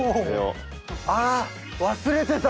あ忘れてた。